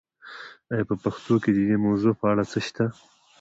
آیا په پښتو کې د دې موضوع په اړه معلومات شته؟